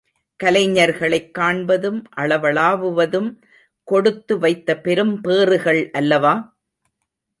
கலைஞர்களைக் காண்பதும் அளவளாவுவதும் கொடுத்து வைத்த பெரும்பேறுகள் அல்லவா?